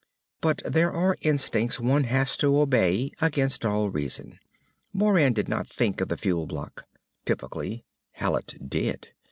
But there are instincts one has to obey against all reason. Moran did not think of the fuel block. Typically, Hallet did.